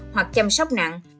hoặc chăm sóc nặng